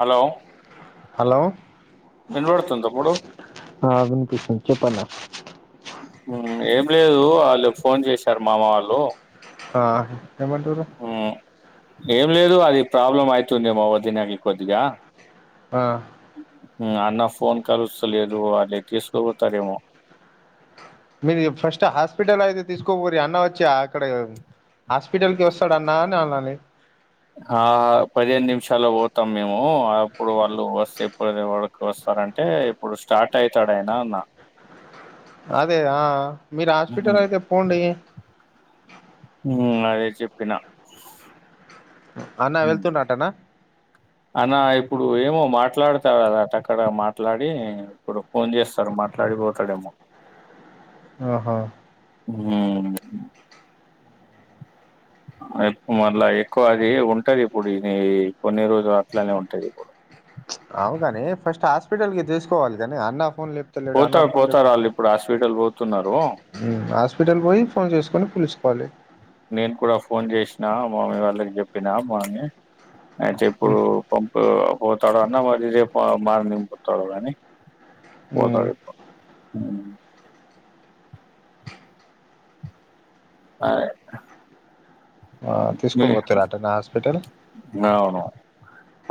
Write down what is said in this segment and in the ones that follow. Hello hello వినబడుతుంది తమ్ముడు హ వీనిపస్తుంది [inaudible] [unintelligible] ఏం లేదు వాళ్ళు ఫోన్ చేశారు మామ వాళ్ళు ఆ ఎమంటూరు మ్మ్ ఏం లేదు అది ప్రాబ్లం అవుతుందిమో తినక కొద్దిగా హ అన్న ఫోన్ కాల్ వస్తలేదు అది తీసుకోపోతారేమో మీరు ఫస్ట్ హాస్పిటల్ అయితే తీసుకోకరి అన్న వచ్చి అక్కడ హాస్పిటల్ కి వస్తాడు అన్నా అని అనాలి ఆ పదిహేను నిమిషా పోతాం మేము అప్పుడు వాళ్ళు వస్తే ప వారకు వస్తా ఇప్పుడు స్టార్ట్ అవుతాడయినా అన్నా అదే ఆ మీరు హాస్పిటల్ అయితే పోండి అదే చెప్పిన అన్నా వెళ్తున్నటనా అనా ఇప్పుడు ఏమో మాట్లాడతారుదాటుక్కడ మాట్లాడి ఇప్పుడు ఫోన్ చేస్తారు మా మాట్లాడిపోతాడమో ఆహా హ్మ్ మళ్ళ ఎక్కువ అది ఉంటది ఇప్పుడు ఇది కొన్ని రోజులు అట్లనే ఉంటది ఇప్పుడు [inaudible] అవుగాని ఫస్ట్ హాస్పిటల్ కి తీూసుకోవాలి కాని అన్న ఫోన్ లేపుతలేడు అన్న పోతారుడు పోతారు వాళ్ళు ఇప్పుడు హాస్పిటల్ పోతున్నారు హస్పిిటల్ పోయి ఫోన్ చేసుకుని పలీసు కాల నేను కూడా ఫోన్ చేసిన మామీ వాళ్ళకి చెప్పినా మామీ అయితే ఇప్పుడు పంపు పోతాడు అన్న మరి ఇదేపు మార్ నింపుతాడు కానీ పోతాడు అ తీసుకో పోతు రాటనా హాస్పిటల్ అవును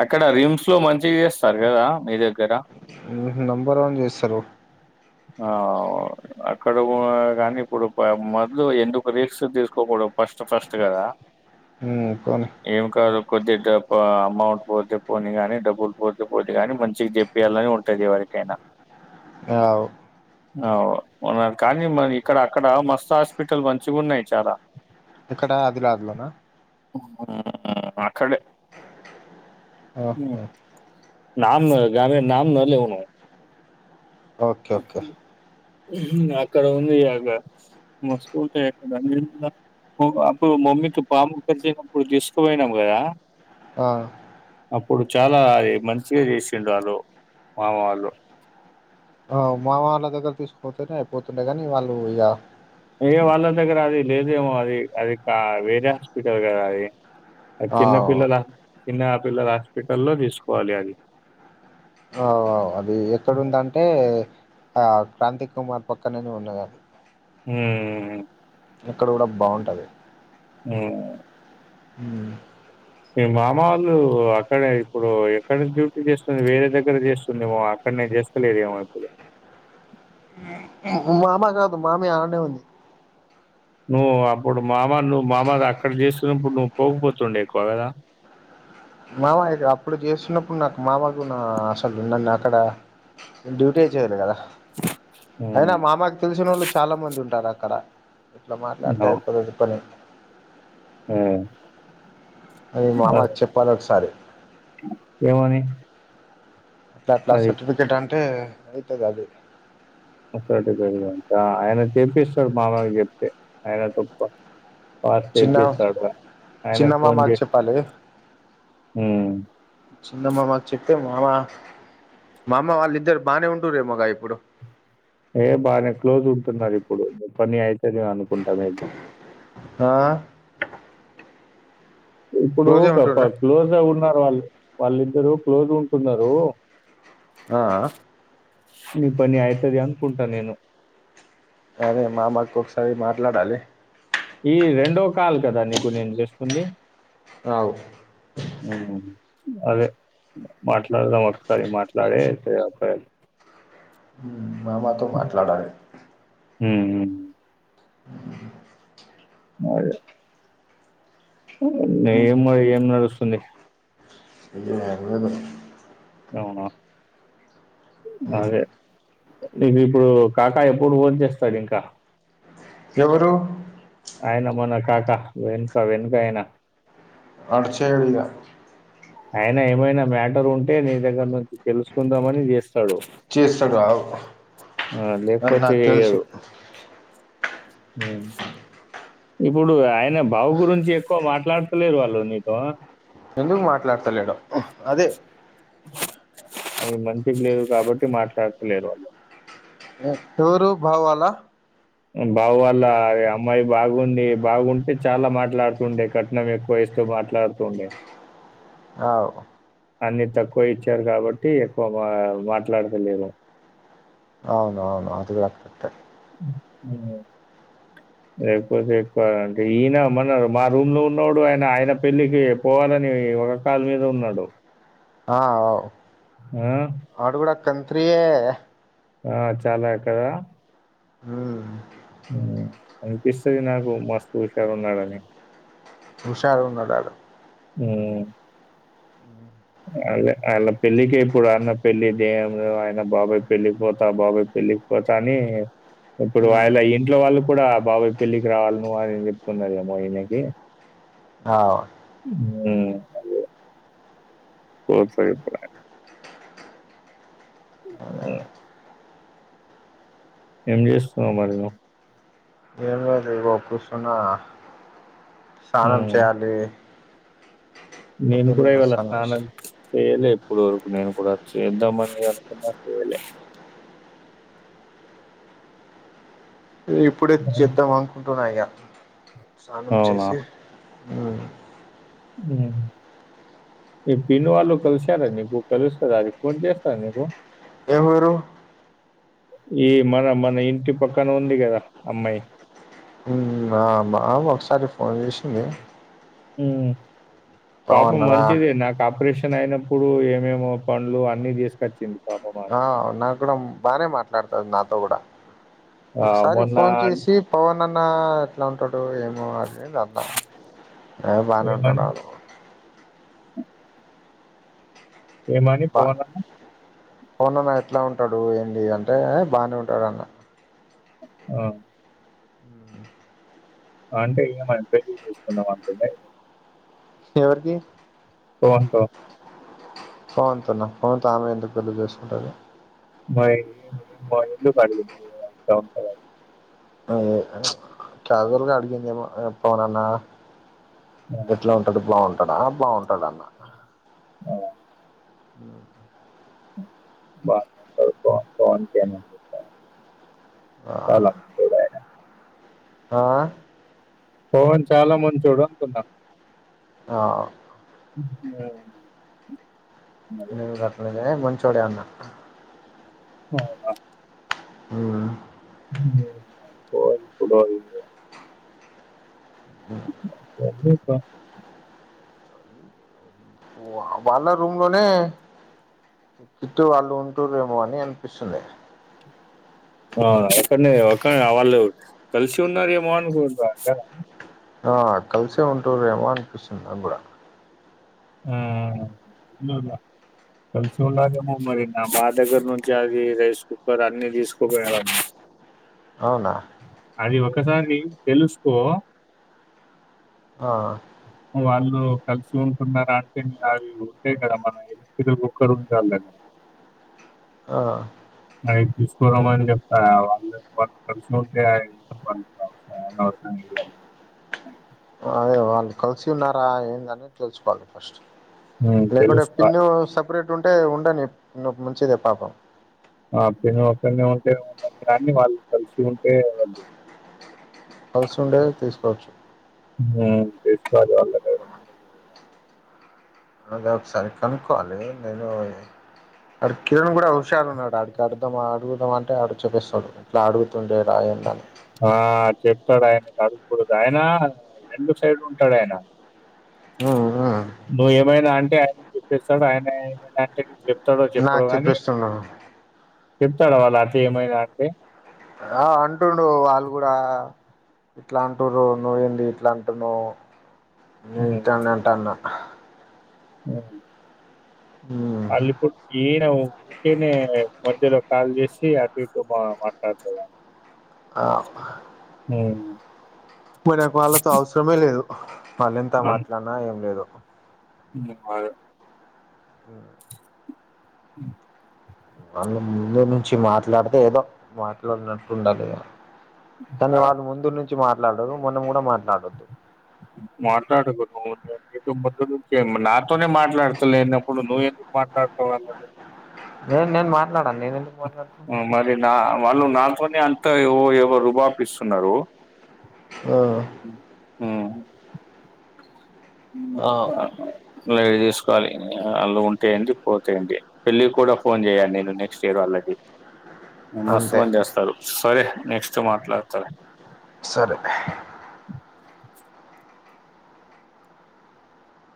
అక్కడ రిమ్స్ లో మంచి చేస్తారు కదా మీ దగ్గర నెంబర్ వన్ చేస్తారు ఆ అక్కడ కాని ఇప్పుడు మదలు ఎందుకు రిస్స్ తీసుకోకూడదు ఫస్ట్ ఫస్ట్ కదా పోనీ ఏం కాదు కొద్ది డ అమౌంట్ పోతే పోని కాని డబ్బులు పోతే పోని గాని మంచి చెప్పేయాలని ఉంటది వారికి కనా అవు అ ఉన్నారు కానీ మరి ఇక్కడ అక్కడ మస్త్ హాస్పిటల్ మంచిగా ఉన్నాయి చాలా ఇక్కడ ఆదిలాబాద్ లోనా ము అక్కడె ఓ హు గమ నామ న లేవును [unintelligible] ఓకే ఓకే అక్కడ ఉంది అదే మస్తు ఉంటాయి అక్కడ అప్పుడు మమ్మీకి పాము కరిసినప్పుడు తీసుకుపోయినాం కదా అ అప్పుడు చాలా మంచిగా చేసిండు వాళ్ళు మామ వాళ్ళు అ మా వాళ్ళ దగ్గర తీసుకుంటే అయిపోతుండె గాని వాళ్ళు ఇగా ఎ వాళ్ళ దగ్గర అది లేదేమో అది అది కా వేరే హాస్పిటల్ గదా అది అది ఆ చిన్న పిల్లల చిన్న పిల్లల హాస్పిటల్లో తీసుకోవాలి అది ఆ అది ఎక్కడుదంటే ఆ క్రాంతి కుమార్ పక్కననే ఉన్నాది అది ము ము ఇక్కడ కూడ బాగుంటది ఉమ్ మీ మామ వాళ్ళు అక్కడే ఇప్పుడు ఎక్కడ డ్యూటీ చేస్తూరు వేరే దగ్గర చేస్తుండేమో అ అక్కడనే చేస్త లేదేమో ఇప్పుడు ము మామ కాదు మామ అడనే ఉంది నువ్వు అప్పుడు మామ నువ్వు మామగా అక్కడ చేస్తున్నప్పుడు నువ్వు పోకపోతుండే కొడలా [inaudible] మామ ఇగా అప్పుడు చేస్తున్నప్పుడు నాకు మావాకు నా అసలు నన్ను అక్కడ నేను డ్యూటీ చేయలేదు గదా అయినా ఉమ్ మామకు తెలిసినోళ్లు చాలా మంది ఉంటారు అక్కడ ఇట్లా మాట్లాడితే అయిపోతది పని ఉమ్ అది మామకు అడుగు చెప్పాలి ఒకసారి ఎమని అట్లా అట్లా సర్టిఫికెట్ అంటే అయితది అదే ఒకటి పెడదం ఆయన తెప్పస్తాడు మామకు చెప్తే ఆయన తప్ప చిన్నమ్మ చేపిస్తాడు ఆయనకు చిన్నమ్మా ఫోన్ మాకు చేసి చెప్పాలి ఉమ్ చిన్నమ్మ వచ్చి మామ మామ వాళ్ళు ఇద్దరు బాగనే ఉంటురిమోగా ఇప్పుడు ఏ బాగనే క్లోజ్ ఉంటున్నారు ఇప్పుడు పని అయితది అనుకుంటామేబి అ ఇప్పుడు పా క్లోజ్ ఉన్నారు వాళ్ళు వాళ్ళి ఇద్దరు క్లోజ్ ఉంటున్నారు అ అ నీ పని అయితది అనుకుంటా నేను అరే మా మామకు ఒకసారి మాట్లాడాలి ఈ రెండో కాల్ గదా నీకు నేను చేస్తుంది అవు ఉమ్ అదే మాట్లాడదాం ఒకసారి మాట్లాడి చేయ్యాలి [inaudible] మామతో మాట్లాడాలి ఉమ్ అదే ఏమో ఏం నడుస్తుంది [inaudible] అవునా అదే నీకు ఇప్పుడు కాకా ఎప్పుడు ఓట్ చేస్తాడు ఇంకా ఎవరు అయనా మన కాకా వెనుకా వెనుకాయనా అర్చ ఎళగా అయనా ఏమైనా మ్యాటర్ ఉంటే నీ దగ్గర నుంచి తెలుసుకుందామని చేస్త డు చేస్తాడు ఆగు అది లేకపోతే నాకు తెలుసు చేయడు హ ఇప్పుడు ఆయన బావు గురించి ఎక్కువ మాట్లాడుతలేరు వాళ్ళు నీతో ఎందుకు మాట్లాడతలేడు అదే అవి మంచికి లేదు కాబట్టి మాట్లాడతలేరు వాళ్ళు ఎవరు బావ వల్ల బావ వాళ్ళ అవి అమ్మాయి బాగుంది బాగుంటే చాలా మాట్లాడుతుండే కట్నం ఎక్కువ ఇస్త తో మాట్లాడుతుండే అవు అన్ని తక్కువ ఇచ్చారు కాబట్టి ఎక్కువ మా మాట్లాడలేరు అవును అవును అది కూడా కరెక్ట్ రేపు ఎక్వ అంటే ఈయన మన మా రూమ్ లో ఉన్నవాడు ఆయన ఆయన పెళ్లికి పోవాలని బగా కాళ మీద ఉన్నాడు ఆవు ఆ కంత్రి ఏ ఆ చాలా కదా అనిపిస్తుది నాకు మస్తు హుషారు ఉన్నాడని ఉషారున్నడు ఆడు ఉమ్ అ అళ పెళ్ళకి ఇప్పుడు అన్న పెళ్ళి దేయ బాబాయ్ పెళ్ళి పోతా బాబాయ్ పెళ్లికి పోత అని ఇప్పుడు వాళ్ళ ఇంట్లో వాళ్ళు కూడా బాబాయ పెళ్లికి రావాలను అని చెప్తున్నారేమో ఈయనకి ఆ ఉమ్ పో సగే ప అ ఏం చేస్తునావ్ మరి నువ్వు ఏం లేదు కూర్చున్నా స్నానం హ్మ్. చేయాలి నేను పొద్దున్నే కూడా వస్తాను [inaudible] చేయలే ఇప్పడు వరకు నేను కూడా చేద్దామని అనుకున్నా చేయలే ఇప్పుడే చేద్దాం అనుకుంటున్నా ఇగ స్నానం చేసి ఆ మీ పిన్ని వాళ్ళు కలిసారా నీకు కలుస్తార అది ఫోన్ చేస్తారా నీకు ఎవరు ఈ మన మన ఇంటి పక్కన ఉంది కదా అమ్మాయి ఆమె ఒకసారి ఫోన్ చేసింది మ్మ్ పాప బాగున్నారా మంచిది నా కాప ఆపరేషన్ అయినప్పుడు ఏమేమో పండ్లు అన్ని తీసుకొచ్చింది పాపం ఆ ఆమె. నాకూడా బానే మాట్లాడుతది నాతో కూడా ఆ! ఒకసారి మొన్న ఫోన్ చేసి పవన్ అన్న ఎట్లా అంటాడు ఏమో అది ఏంది అన్న ఏ బానే ఏమని ఉంటాడు ఊర్కో ఏమని పవన్ అన్న ఫవనన్న ఎట్లా ఉంటాడు ఏంటి అంటే ఏ బానే ఉంటాడు అన్న ఆ అంటే ఏమని పెళ్లి చేసుకుందాం అంటుందా ఏమి ఎవరికి పోయింటి రా అవున్ చిన్న పవన్ తో ఆమె ఎందుకు పెళ్లి చేసుకుంటాది మై [inaudible] మైలు కాడి [unintelligible] ఆ చాధర్లా అడిగిందేమో పోనన్నా ఆ! ఎట్లా ఉంటడు బాగుంటడా బాగుంటడా అన్న ఆ మ్మ్ మ్మ్ బానే ఉంటది పవన్ ఏమి అని చెప్పా ఆ ఆ పవన్ చాలా మంచోడు అంటున్నా ఆ [unintelligible] నివు గట్లనే ముంచోడన్న అవున మ్మ్ చోల్ పడాలే మాట్లాడలే పా వాళ్ళ రూమ్ లోనే కిట్టూ వాళ్ళు ఉంటుర్ ఏమో అనిపిస్తుంది ఆ అక్కడనే అక్కన్నే వాళ్ళు కలిసి ఉన్నారేమో అనుకోంటద ఆ కలిసే ఉంటూర్ ఏమో అనిపిస్తుంది అప్పుడు ఆ ఇలా కలిసి ఉండాదేమో మరి నా మా దగ్గర నుంచి అది రైస్ కుక్కర్ అన్ని తీసుకుపోయరు అవునా ఒకసారి తెలుసుకో ఆ వాళ్ళు కలిసి ఉన్ ఉన్నారా అంటే మీ అవి ఉంటాయి కదా మన ఏలుతురు ఒక్కరు ఉండాలిగదా ఆ అ తీసుకురమని చెప్తాన్నర వాళ్ళు వాళ్ళు కలిసి ఉంటే [unintelligible] అవును [inaudible] అదే వాళ్ళు కలిసి ఉన్నారా ఏందనే తెలుసుకోవాలి ఫస్ట్ లేకుంటే తెలుసుకో పిన్ను సపరేట్ ఉంటే ఉండని ఇంగ మంచిదే పాపం ఆ పిన్ను పిన్ని ఉంటే ఉండని కానీ వాళ్ళు కలిసి ఉంటే వాళ్ళు హౌస్ ఉండేది తీసుకోవచ్చు మ్మ్ ఆ తీసుకురాళ్ళ [unintelligible] అదే ఒకసారి కనుక్కోవాలి నేను అడు కిరణ్ కూడా హషారు ఉన్నాడు అడికి అడదాం అడుగుదాం అంటే ఆడ చెప్పేస్తాడు ఎట్లా అడుగుతుండే రా ఏమనీ ఆ చెప్పాడు ఆయన కడగకూడద ఆయన రెండు సైడ్ ఉంటాడు ఆయన నువ్ ఏమైనా అంటే ఆయన చెప్పేస్తాడు ఆయన ఏమైనా అంటేవ చె చెప్తాడో చెప్పడు నాకు కాని చెప్పిస్తుండు చెప్తాడు వాళ్ళ అత ఏమైనా అంటే ఆ అంటుండు వాళ్ళు కూడా ఇట్లా అంటురు నువ్వేంది ఇట్లా అంటున్నావ్ ఇని అంటా అన్నా అ అలిపు ఈయన ఊకేనే మధ్యలో కాల్ చేసి అటు ఇటు మా మాట్లాడుతుని హ మరికు వాళ్ళతో అవసరమే లేదు వాళ్ళ ఎంత మాట్లాడినా ఏం లేదు బాగా అ వాళ్ళు ముందు నుంచి మాట్లాడితే ఏదో మాట్లాడినట్లు ఉండాలి కానీ ఆ వాళ్ళు ముందు నుంచి మాట్లాడరు మొనం కూడా మాట్లాడ మాట్లాడు [inaudible] నతో మొ ను నాతోనే మాట్లాడతలేనప్పుడు నువ్వు ఎందుకు మాట్లాడతావు వాళ్ళతో నేను నేను మాట్లాడాను నేను మాట్లాడుతున్నా మరి నా వాళ్ళు నాతోనే అంతా వ ఏవో రూబ ప ఇస్తున్నారు ఆ మ్మ్ హ్మ్ ఆ లైట్ తీసుకోవాలి అళ్లు ఉంటాయండి పోతాయండి పెళ్ళి కూడా ఫోన్ చేయాలను నేను నెక్స్ట్ ఇయర్ అలకి అంతే మస్తుమంది చేస్తారు సరే నెక్స్ట్ మాట్లాడతారు సరే